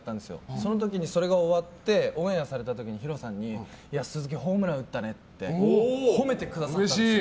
その時にそれが終わってオンエアされた時にＨＩＲＯさんに鈴木、ホームラン打ったねって褒めてくださったんですよ。